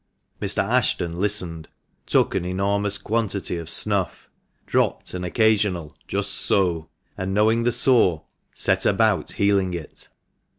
Mr. Ashton listened, took an enormous quantity of snuff, dropped an occasional "Just so," and, knowing the sore, set about healing it.